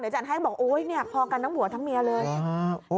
เดี๋ยวจันให้บอกพอกันทั้งหัวทั้งเมียเลย